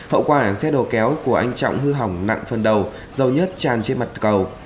hậu quả xe đồ kéo của anh trọng hư hỏng nặng phần đầu dầu nhất tràn trên mặt cầu